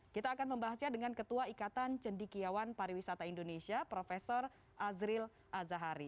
kita akan membahasnya dengan ketua ikatan cendikiawan pariwisata indonesia prof azril azahari